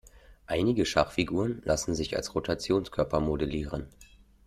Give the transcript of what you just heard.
Einige Schachfiguren lassen sich als Rotationskörper modellieren.